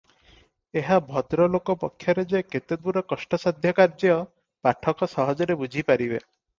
ଏହା ଭଦ୍ରଲୋକ ପକ୍ଷରେ ଯେ କେତେଦୂର କଷ୍ଟସାଧ୍ୟ କାର୍ଯ୍ୟ, ପାଠକ ସହଜରେ ବୁଝି ପାରିବେ ।